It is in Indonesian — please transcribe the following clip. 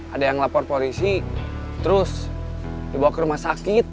ada yang lapor polisi terus dibawa ke rumah sakit